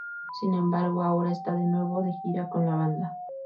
Sin embargo ahora está de nuevo de gira con la banda.